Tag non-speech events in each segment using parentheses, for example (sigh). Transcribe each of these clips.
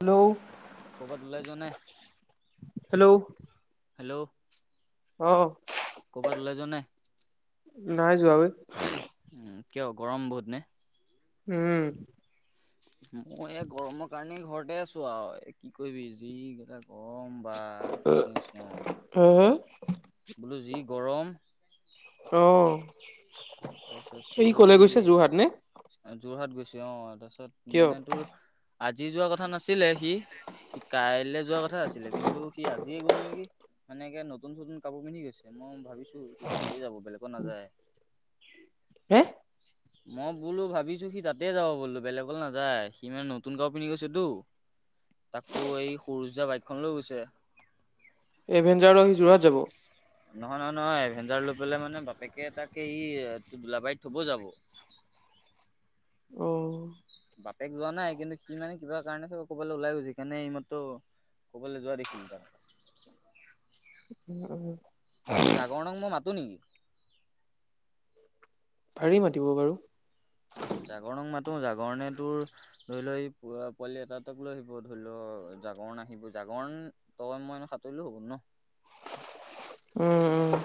Hello ক'বাত ওলাই যোৱা নাই হেল্ল' হেল্ল, অ, ক'ৰবাত ওলাই যোৱা নাই? নাই যোৱা ঐ। উম, কিয় গৰম বহুত নে? উম, মই এই গৰমৰ কাৰণেই ঘৰতে আছো আৰু কি কৰিবি যি এগিতা গৰম বা কৃষ্ণ কৃষ্ণ, হা হা বোলো যি গৰম। অ, তাৰপিছত সি তোৰ কলে গৈছে যোৰহাট নে এই যোৰহাট গৈছো অ, তাৰপিছত কিয় মানে তোৰ আজি যোৱা কথা নাছিলে সি কাইলে যোৱা কথা আছিলে কিন্তু সি আজিয়ে গ'ল নেকি। মানে এ নতুন নতুন কাপোৰ পিন্ধি গৈছে মই ভাবিছো সি তাতেই যাব বেলেগত নাযায়। হে মই বোলো ভাবিছো সি তাতে যাব বোলো বেলেগলৈ নাযায়, সি মানে নতুন কাপোৰ পিন্ধি গৈছেতো। তাকো এই সৰু যা বাইকখন লৈ গৈছে। এভেঞ্জাৰো আহি যোৰহাট যাব। নহয় নহয় নহয় এভেঞ্জাৰ লৈ পেলাই মানে বাপেকে তাকে ই দোলাবাৰীত থব যাব। অ, বাপেক যোৱা নাই কিন্তু সি মানে কিবা কাৰণে চব ক'বালৈ ওলাই গৈছে সিকাৰণে এইমাত্ৰ ক'বলৈ যোৱা দেখিল তাক। (unintelligible) জাগৰণং মই মাতোঁ নেকি? পাড়ী মাতিব বাৰু। উ, জাগৰণক মাতো জাগৰণে তোৰ ধৰি লও এই পোৱালি এটা এটক লৈ আহিব ধৰি লও জাগৰণ আহিব জাগৰণ তই মই সাঁতৰিলো হ'ল ন? উম, উম,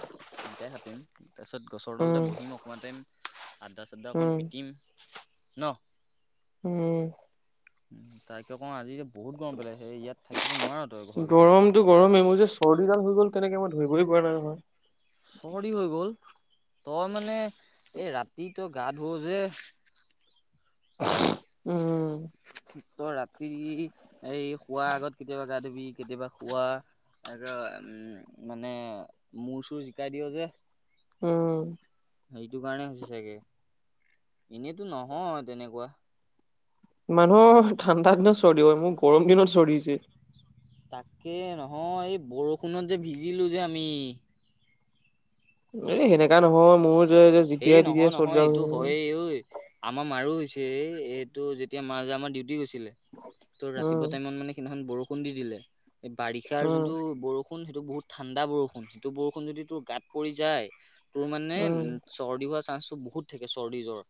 তিনিটাই সাতৰিম তাৰপিছত গছৰ তলতে উম বহিম অকণমান টাইম। আদ্দা চাদ্দা উম অকণ উম পিটিম। ন? উম, উ, তাকে কওঁ আজি বহুত গৰম পেলাই সেই ইয়াত থাকিব নোৱাৰা তই ঘৰৰ ভিতৰত গৰমটো আমাৰ। গৰমে মোৰ যে চৰ্দিডাল হৈ গ'ল কেনেকে মই ধৰিবই পৰা নাই নহয়। চৰ্দি হৈ গ'ল তই মানে এই ৰাতিটো গা ধুওঁ যে। (unintelligible) উম, তয় ৰাতি এই শোৱাৰ আগত কেতিয়াবা গা ধুবি কেতিয়াবা খোৱা এ মানে মূৰ চুৰ জিকাই দিয় যে। উম, সেইটো কাৰণে হৈছে চাগে, এনেতো নহয় তেনেকুৱা। মানুহৰ ঠাণ্ডা দিনত চৰ্দি হয়, মোৰ গৰম দিনত চৰ্দি হৈছে। তাকে নহয় এই বৰষুণত যে ভিজিলোঁ যে আমি। এ সেনেকা নহয় মোৰ যে যে এই নহয় নহয় এইটো হয়ে ঐ আমাৰ মাৰো হৈছে এই এইটো যেতিয়া মাৰ যে আমাৰ ডিউটি গৈছিলে। ত' ৰাতিপুৱা উম টাইমত মানে সেইদিনাখন বৰষুণ দি দিলে, এই বাৰিষাৰ উম যোনটো বৰষুণ সেইটো বহুত ঠাণ্ডা বৰষুণ, সেইটো বৰষুণ যদি তোৰ গাত পৰি যায়, তোৰ মানে উম চৰ্দি হোৱা চান্সটো বহুত থাকে, চৰ্দি জ্বৰ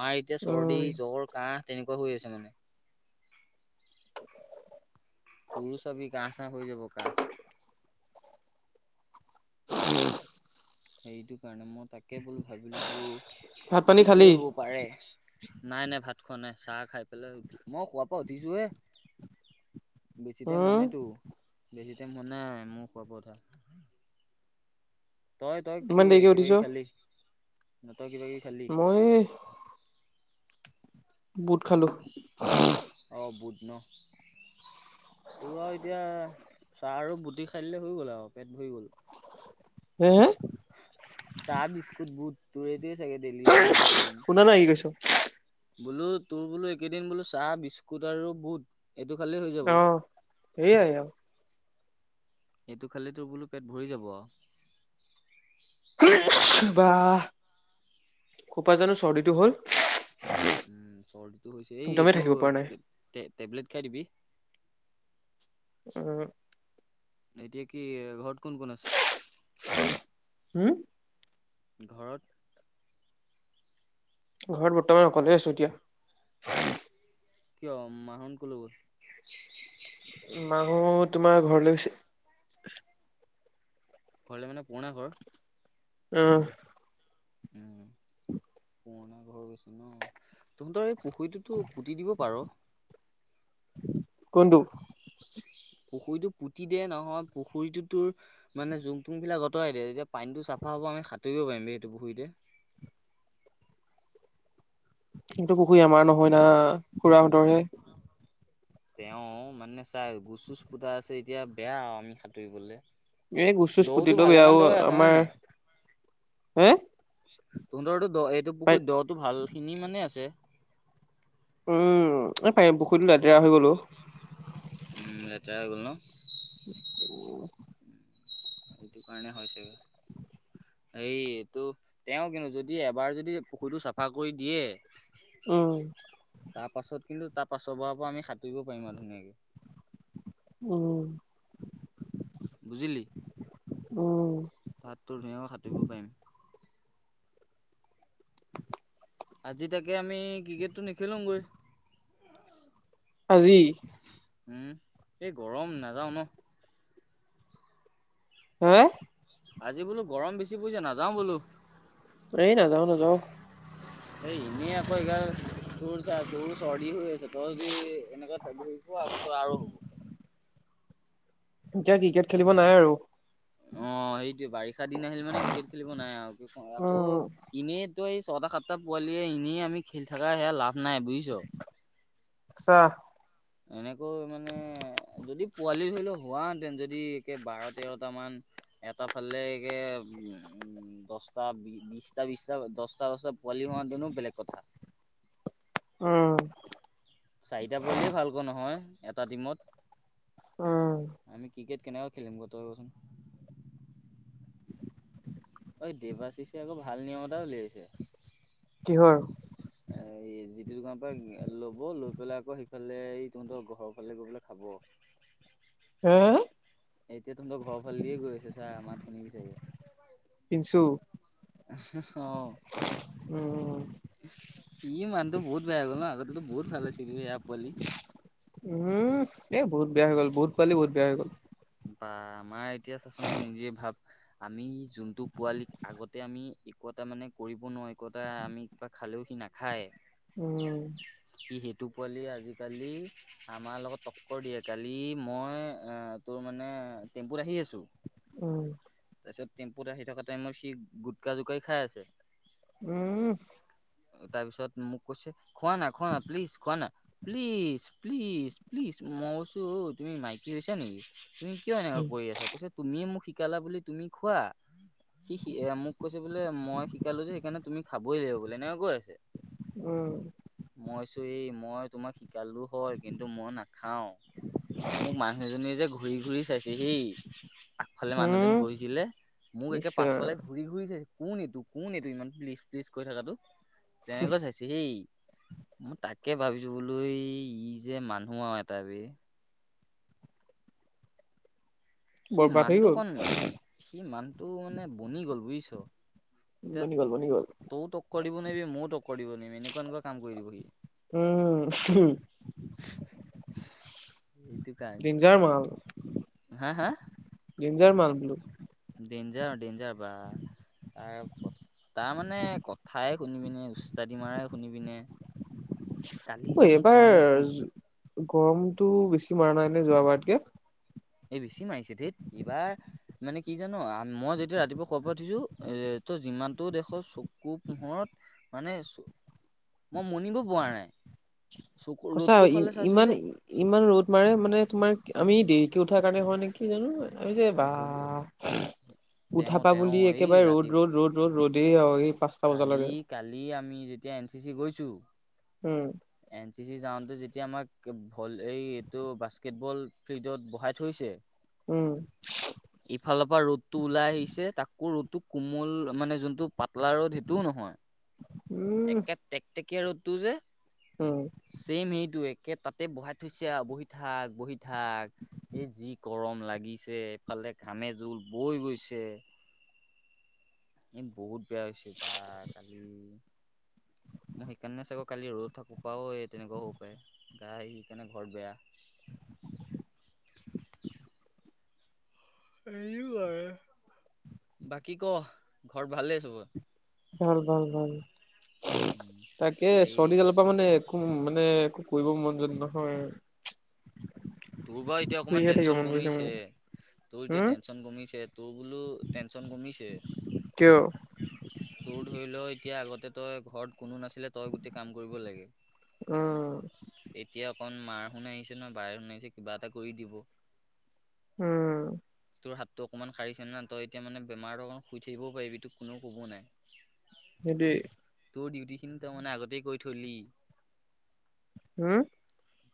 মাৰ এতিয়া চৰ্দি উম জ্বৰ কাহ তেনেকুৱা হৈ আছে মানে। তুুৰো চাবি কাহ চা হৈ যাব কাহ (unintelligible) সেইটো কাৰণে মই তাকে বোলো ভাবিলোঁ বোলো, ভাত পানী এইটোয়ে খালি হ'ব। পাৰে নাই নাই ভাত খোৱা নাই চাহ খাই পেলাই উঠি মই খোৱাৰ পৰা উঠিছো হে। বেছি টাইম হোৱা উম, নাইতো, বেছি টাইম হোৱা নাই, মোৰ শোৱাৰ পৰা উঠা। তই তই কি ইমান দেৰিকে কিবা উঠিছ? কিবি খালি, তই কিবা কিবি খালি। মই এই বুট খালোঁ। অ' বুট ন। তোৰ আৰু এতিয়া চাহ আৰু বুটে খাই দিলে হয় গ'ল আ পেট ভৰি গ'ল। হে হে চাহ, বিস্কুট, বুট। তোৰ এইটোৱে চাগে ড্ৰেইলী ৰুটিন দে শুনা নাই কি কৈছো? এইকেইদিন। বোলো তোৰ বোলো এইকেইদিন বোলো চাহ, বিস্কুট আৰু বুট। এইটো খালে হৈ যায়। অ' সেইয়াই আৰু। এইটো খালে তো বোলো পেট ভৰি যাব আ। বাহ ক'ৰপৰা জানো চৰ্দিটো হ'ল। উম, চৰ্দিটো হৈছে এই একদমেই এইটো থাকিব পৰা নাই। টেবলেট খাই দিবি। অ' এতিয়া কি ঘৰত কোন কোন আছে। হুম ঘৰত ঘৰত বৰ্তমান অকলে আছোঁ। এতিয়া, কিয় মাহঁত কলৈ গ'ল। মাহঁত তোমাৰ ঘৰলৈ গৈছে। ঘৰলে মানে পূৰণা ঘৰৰ। অহ' উম, পূৰণা ঘৰ গৈছে ন তহঁতৰ এই পুখুৰীটোত তো পুতি দিব পাৰ। কোনটো পুখুৰীটো পুতি দিয়ে নহয়, পুখুৰীটো তোৰ মানে জুং তুং বিলাক আতৰাই দে তেতিয়া পানীটো চাফা হ'ব, আমি সাতুৰি পাৰিম বে সেইটো পুুখুৰীতে কিন্তু পুখুৰী আমাৰ নহয় না খুৰাহঁতৰ হে। তেওঁ মানে চা গোচ চোচ পুতা আছে, এতিয়া বেয়া আৰু আমি সাঁতুৰিবলৈ। এই গোচচোচ পুতিলে বেয়াও হয় নে আমাৰ নাই হে। তহঁতৰো দ এইটো পাই পুখুৰীত দটো ভাল খিনি মানে আছে। উম, এই পাৰিম পুখুৰীটো লেতেৰা হৈ গ'ল অ'। উম, লেতেৰা হৈ গ'ল ন। অ' এইটো কাৰণে হৈছেগৈ। এইটো তেওঁ কিন্তু যদি এবাৰ যদি পুখুৰীটো চাফা কৰি দিয়ে। উম, তাৰ পাছত কিন্তু তাৰ পাছৰ পৰাৰ পৰা আমি সাঁতুৰিব পাৰিম আৰু ধুনীয়াকে। উম, বুজিলি? উম, তাত তোৰ ধুনীয়াকৈ সাঁতুৰিব পাৰিম। (inaudible) আজি তাকে আমি ক্ৰিকেটটো নেখেলোঁগৈ আজি উম, এই গৰম নাযাওঁ ন'? হাঁ? আজি বোলো গৰম বেছি পৰিছে নাযাওঁ বোলো এই নাযাও নাযাও। সে এনেই আকৌ এগাল তোৰ চা তোৰ চৰ্দি হৈ আছে। তই যদি এনেকুৱাত ঘূৰি ফূৰ আকৌ তোৰ আকৌ হব। এতিয়া ক্ৰিকেট খেলিব নাই আৰু। অ', সেইটোৱে বাৰিষা দিন আহিল মানে ক্ৰিকেট খেলিব নাই আৰু। আকৌ উম এনেই তই এই ছয়টা সাতটা পোৱালিয়ে এনেই আমি খেলি থাকা সেয়া লাভ নাই বুজ জ চাহ এনেকৈ মানে যদি পোৱালি ধৰি লও হোৱাহেতেন যদি একে বাৰ তেৰটা মান এটা ফালেকে উম, দশটা, বিশটা -বিশটা, দশটা - দশটা পোৱালি হোৱা হেঁতেনও বেলেগ কথা। উম, চাৰিটা পোৱালিয়ে ভালকৈ নহয় এটা টিমত উম, আমি ক্ৰিকেট কেনেকৈ খেলিম গৈ তই কচোন। ঐ দেবাশিছে আকৌ ভাল নিয়ম এটা উলিয়াইছে। কিহৰ? এ যিটো দোকানৰ পৰা ল'ব লৈ পেলাই আকৌ সেইফালে তহঁতৰ ঘৰৰ ফালে গৈ পেলাই খাব। উম, এতিয়া তহঁতৰ ঘৰৰ ফালে দিয়ে গৈ আছে চা মাত শুনিবি চাগে। পিনছু অ', উম, সি মানুহটো বহুত বেয়া হৈ গ'ল না, আগতেতো বহুত ভাল আছিল সেয়া পোৱালি উম, এ বহুত বেয়া হৈ গ'ল, বহুত পোৱালি বহুত বেয়া হৈ গ'ল। বা আমাৰ এতিয়া চাচোন তই নিজে ভাব, আমি যোনটো পোৱালিক আগত তাতে আমি একো এটা মানে কৰিব নোৱাৰো একোটা আমি কিবা খালেও সি নাখাই উম, সি সেইটো পোৱালি আজিকালি আমাৰ লগত তক্কৰ দিয়ে কালি মই আ তোৰ মানে টেম্পুত আহি আছোঁ উম, তাৰপিছত টেম্পুত আহি থকা টাইমত সি গোটকা জোকাৰি খাই আছে উম, তাৰ পিছত মোক কৈছে খোৱা না, খোৱা না, প্লিজ খোৱা না প্লিজ - প্লিজ - প্লিজ, মই কৈছো অ, তুমি মাইকী হৈছা নেকি? তুমি কিয় এনেকুৱা কৰি আছা কৈছা তুমিয়ে মোক শিকালা বুলি তুমি খোৱা সি সি মোক কৈছে বোলে মই শিকালো যে সেইকাৰণে তুমি খাবই লাগিব বোলে এনেকা কৈ আছে। উম, মইছো এই মই তোমাক শ শিকালো হয় কিন্তু মই নাখাও মোক মানুহজনী যে ঘুৰি ঘুৰি চাইছে হেই আগফালে মানুহজনী উম বহিছিলে মোক একে ইচ পাছফালে ৰাম ঘূৰি কোন এইটো কোন এইটো ইমান প্লিচ প্লিচ কৈ থকাাতটো তেনেকৈ চাইছে। দেই মই তাকে ভাবিছোঁ বোলো ই যে মানুহ আৰু এটা বে। সি বৰবাদ হৈ মানুটো গ'ল অকণ সি মানুটো মানে বনি গ'ল বুজিছ। বনি গ'ল বনি গ'ল। তাইও টক্কৰ দিবোৱাৰিবি মইও টক্কৰ দিব নোৱাৰিম এনেকুৱা এনেুৱা কাম কৰিব দিব সি। উম। এইটো কাৰনে। ডেঞ্জাৰ মাল। হা হা? ডেঞ্জাৰ মাল বোলো। ডেঞ্জাৰ ডেঞ্জাৰ বা তাৰ তাৰ মানে কথাই শুনি পিনে উচতাদি মাৰাই শুনিবিনে। অ', এইবাৰ ফোন গৰমতটো বেছি মৰা নাই নে যোৱাবাৰতকে? এই বেছি মাৰিছে ধেত এইবাৰ মানে কি জানো মই যেতিয়া ৰাতিপুৱা ক'ৰ পৰা উঠিছোঁ ত' যিমানটো দেখৰ চকু পোহৰত মানে মই মনিব পৰা নাই চকু সঁচা ৰ'দটো ই- ফালে চাইছো ইমান যে ইমান ৰ'দ মাৰে মানে তোমাৰ আমি দেৰিকে উঠাৰ কাৰণে হয় নেকি জানো। (unintelligible) যে বা হ'ব তেওঁ উঠাপা তেওঁ বুলি এই একেবাৰে ৰাতি ৰ'দ ৰ'দ ৰ'দ ৰ'দ ৰ'দে আৰু এই পাঁচ কালি কালি আমি যেতিয়া এন চি চি গৈছো। উম। এন চি চি জাউতেটো যেতিয়া আমাক ভল এই এইটো বাস্কেটবল ফিল্ডত বহাই থৈছে। উম। (unintelligible) ইফালৰ পৰা ৰ'দটো ওলাই আহিছে তাকো ৰ'দটো কোমল মানে যোনটো পাতলা ৰ'দ সেইটোও নহয়। উম একে টেকটেকীয়া ৰ'দটো যে উম। ছেম সেইটো একে তাতে বহাই থৈছে বহি থাক বহি থাক এই যি গৰম লাগিছে এইফালে ঘামে জোল বৈ গৈছে। এ বহুত বেয়া হৈছে বা কালি মই সেইকাৰণে চাগো কালি ৰ'দত থাকা পাও তেনেকুৱাও হ'ব পায়। গা সেইকাৰণে ঘৰত বেয়া। বাকী ক ঘৰত ভালেই চবৰ? ভাল ভাল ভাল উম, তাকে হেৰি চৰ্দি দালৰপা মানে একো মানে একো কৰিব মন য নহয়। তোৰ বা এতিয়া অকনমান শুইহে থাকিব টেনচন মন গৈছে কমিছে মোৰ তোৰ এতিয়া উম টেনশচন ক। তোৰ বোলো টেনচন কমিছে। কিয়? তোৰ ধৰি লও এতিয়া আগতে তই ঘৰত কোনো নাছিলে তই গোটেই কাম কৰিব লাগে। উম। এতিয়া অকন মাৰ হত আহিছে নহয় বায়েৰ হত আহিছে কিবা এটা কৰি দিব। উম। তোৰ হাতটো অকণমান সাৰিছে না তই এতিয়া মানে বেমাৰটো অকণ শুই থাকিবও পাৰিবি তো কোননেও কব নাই। সেইটোৱে। তোৰ ডিউটি খিনি তাৰ মানে আগতেই কৈ থলি। হম?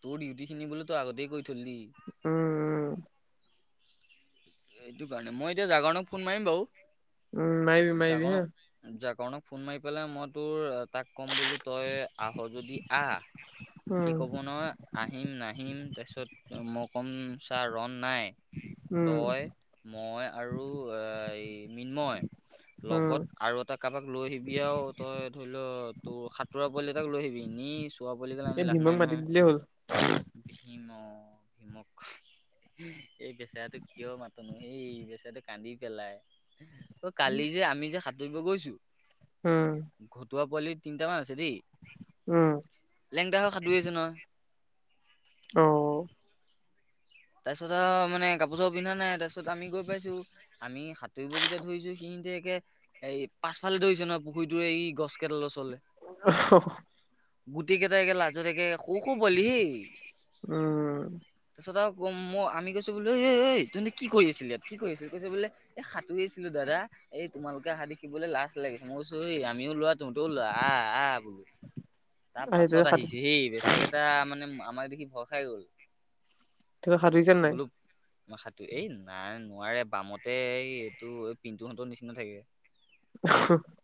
তোৰ ডিউটি খিনি বোলো তই আগতে কৈ থলি। উম, উম। এইটো কাৰণে মই এতিয়া জাগৰণক ফোন মাৰিম উম মাৰিবি বাৰু মাৰিবি হা জাগৰণক জাগৰণক ফোন মাৰি পেলাই মই তোৰ তাক ক'ম বোলো তই আহ যদি আহ। সি উম ক'ব ন আহিম নাহিম তাৰপিছত মই কম চাৰ ৰন নাই। উম তই মই আৰু এ মিন্ময় উম লগত আৰু এটা কাৰোবাক লৈ আহিবি আৰুও তই ধৰি ল তোৰ সাঁতোৰা পোৱালি এটাক লৈ আহিবি নি পোৱা বুলি গ'লে আমি এই লাভ ভীমক নাই মাতি নহয় দিলেই হ'ল ভীম অ' ভীমক। এই বেচাৰটো কিয় মাতনো সেই বেচৰাটো কান্দি পেলাই। অ', কালি যে আমি যে সাঁতুৰিব গৈছো। উম। ঘটুৱা পোৱালিৰ তিনিটামান আছে দেই। উম। লেংটা হৈ সাতুৰি আছে নহয়। অ'। তাৰ পিছত আহ মানে কাপোৰ চাপোৰ পিন্ধা নাই তাৰ পিছত আমি গই পাইছো। আমি সাঁতুৰিব যেতিয়া ধৰিছো সিহতে একে এই পাছফালে ধৰি হৈছে নহয় পুখুৰীটো এই গছ কেইডালৰ ওচৰলে। (inaudible) গোটেই কেইটে লাজত একগে সৰু সৰু পোৱালি। উম। তাৰপছত আৰু মই আমি কৈছো বোলে এ তুম কি কৰি আছিল ইয়াত কি কৰি আছিল কৈছো বোলে এ সাঁতুৰিছিলো দাদা। এই তোমালোকে অহা দেখিবলৈ লাজ লাগিছে মই কৈছো আমিও লোৱা তুমিতেও লোৱা আহ আহ বোলো। তাৰ আহ পাছত সাধু আহিছো হেই বেচৰা কেইটা মানে আমাৰ দেখি ভয় খাই গ'ল। তাৰ পা সাতুৰিছে নে নাই? সাতু এই নাই নোৱাৰে বামতে এই এইটো এই পিন্টুলতো নিচিনা থাকে। (inaudible)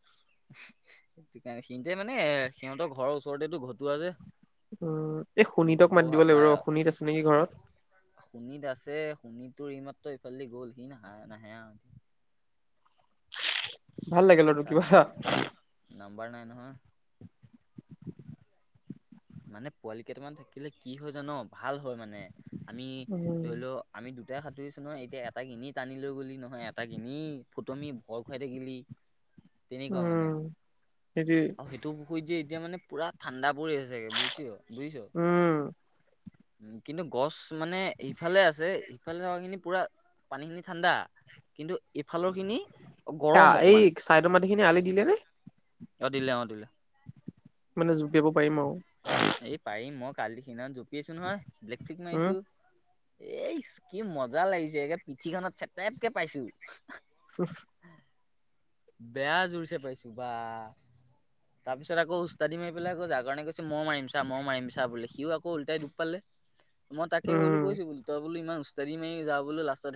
সেইটো কাৰণে সিহঁতে মানে সিহঁতৰ ঘৰৰ ওচৰতেতো ভতুৱা যে। উম, এই সিহঁতে শোণিতক মাতি দিব লাগিব ৰ অ' শোণিত আছে নেকি ঘৰত। শুনিত আছে শুনিত তোৰ ই মাত্ৰ ইফালে গ'ল সি না নাহে। ভাল লাগে ল'ৰাতোক কিবা। নম্বাৰ নাই নহয়। মানে পোৱালি কেইটামান থাকিলে কি হয় জান ভাল হয় মানে আমি উম ধৰি লও। আমি দুটাই সাঁতুৰিছো নয় এতিয়া এটা কিনি টানি লৈ গলি নহয় এটা কিনি ফুটমি ভয় খুৱাই থাকিলি। তেনেকুৱা মানে উম সেইটো আৰু সেইটো পুখুৰত যে এতিয়া মানে পুৰা ঠাণ্ডা পৰি আছে। বুজছ বুজিছ। উম উম, কিন্তু গছ মানে ইফালে আছে ইফালে থকাখিনি পুৰা পানী খিনি ঠাণ্ডা কিন্তু এইফালৰ খিনি গৰম অকমান। চাইডৰ মাটিখিনি আলি দিলে নে অ', দিলে অ' দিলে। মানে জপিয়াব পাৰিম আৰু। এই পাৰিম মই কালি সিনা জঁপি আছো নহয় ব্লেক ফ্লিক উম মাৰিছো। এই কি মজা লাগিছে এে পিঠিখনত চেটেপকে পাইছো। (inaudible) বেয়া জোৰছে পাইছো বা। তাৰ পিছত আকৌ উস্তাৰদি মি পেলাই আৌ যাৰ কাৰণেৈ মিমা মাৰিমা বো সি আকৌ উলটাই দুখ পালে। মই তাকে ক'লো উম কৈছো বো তই বো ই উস্তাদি মাৰি য বো লাষ্টত হে